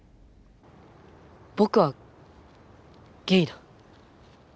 僕はゲイだ。